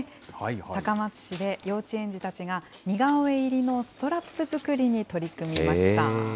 高松市で幼稚園児たちが、似顔絵入りのストラップ作りに取り組みました。